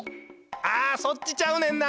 あそっちちゃうねんな。